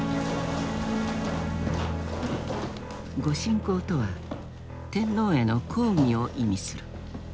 御進講とは天皇への講義を意味する。